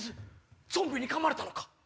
ゾンビにかまれたのか？